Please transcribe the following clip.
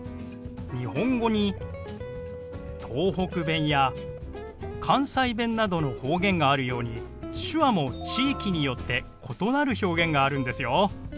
日本語に東北弁や関西弁などの方言があるように手話も地域によって異なる表現があるんですよ。